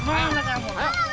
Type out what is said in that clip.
sangrage kirim kuelang kot course